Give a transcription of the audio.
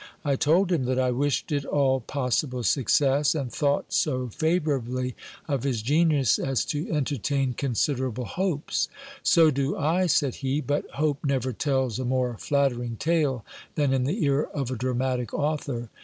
I told him that I wished it all possible success, and thought so favour ably of his genius, as to entertain considerable hopes. So do I, said he, but hope never tells a more flattering tale than in the ear of a dramatic author.